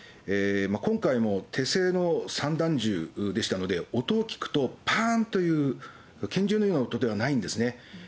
今回も手製の散弾銃でしたので、音を聞くと、ぱーんっという拳銃のような音ではないんですね。